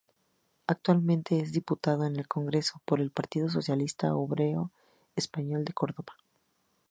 Actualmente es Diputado en el Congreso por el Partido Socialista Obrero Español de Córdoba.